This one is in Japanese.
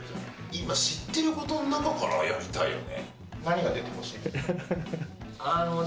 今知ってることの中からやりたいよね。